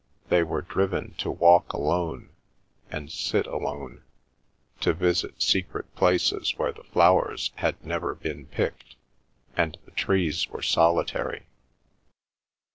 They were driven to walk alone, and sit alone, to visit secret places where the flowers had never been picked and the trees were solitary.